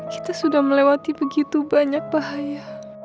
kita sudah melewati begitu banyak bahaya